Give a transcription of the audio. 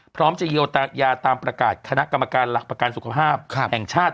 พร้อมจะเยียวยาตามประกาศคณะกรรมการหลักประกันสุขภาพแห่งชาติ